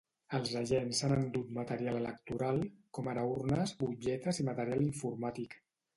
Els agents s’han endut material electoral, com ara urnes, butlletes i material informàtic.